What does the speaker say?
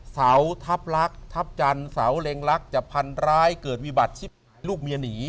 เสาทัพลักษณ์ทัพจันทร์เสาเล็งลักษณ์จะพันร้ายเกิดวิบัติชิปลูกเมียหนี